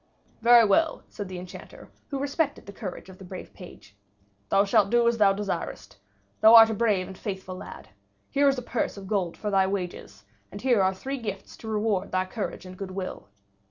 "Very well," said the Enchanter, who respected the courage of the brave page, "thou shalt do as thou desirest. Thou art a brave and faithful lad. Here is a purse of gold for thy wages, and here are three gifts to reward thy courage and good will."